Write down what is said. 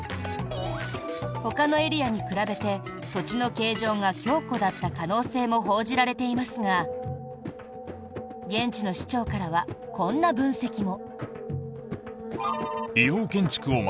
ほかのエリアに比べて土地の形状が強固だった可能性も報じられていますが現地の市長からはこんな分析も。